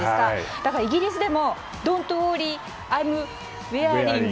だからイギリスでもドント・ウォーリーアイムウェアニング！